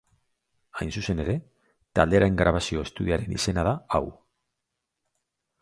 Hain zuzen ere, taldearen grabazio estudioaren izena da hau.